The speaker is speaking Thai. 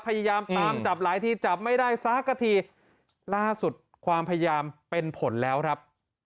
พยายามตามจับหลายทีจับไม่ได้สักกะทีล่าสุดความพยายามเป็นผลแล้วครับ